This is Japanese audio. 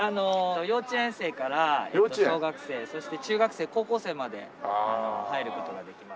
幼稚園生から小学生そして中学生高校生まで入る事ができます。